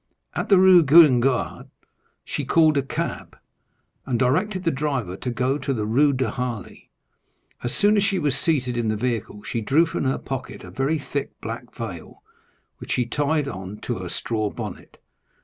At the Rue Guénégaud she called a cab, and directed the driver to go to the Rue de Harlay. As soon as she was seated in the vehicle, she drew from her pocket a very thick black veil, which she tied on to her straw bonnet.